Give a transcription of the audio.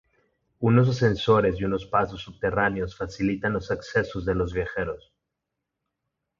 Unos ascensores y unos pasos subterráneos facilitan los accesos de los viajeros.